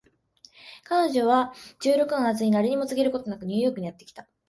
彼女は十六の夏に誰にも告げることなくニューヨークにやって来た